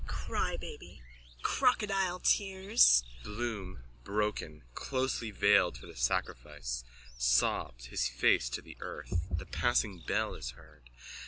_ Crybabby! Crocodile tears! _(Bloom, broken, closely veiled for the sacrifice, sobs, his face to the earth. The passing bell is heard.